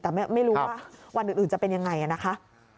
แต่ไม่รู้ว่าวันอื่นจะเป็นยังไงนะคะ